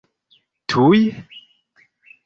tuj